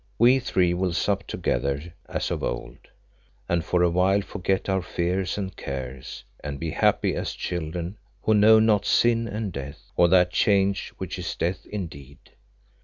We three will sup together as of old, and for awhile forget our fears and cares, and be happy as children who know not sin and death, or that change which is death indeed.